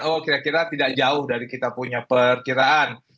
oh kira kira tidak jauh dari kita punya perkiraan